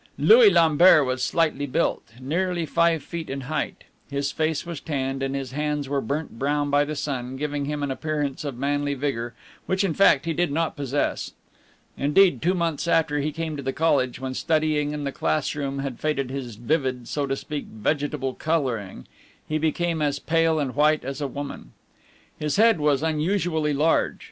Louis Lambert was slightly built, nearly five feet in height; his face was tanned, and his hands were burnt brown by the sun, giving him an appearance of manly vigor, which, in fact, he did not possess. Indeed, two months after he came to the college, when studying in the classroom had faded his vivid, so to speak, vegetable coloring, he became as pale and white as a woman. His head was unusually large.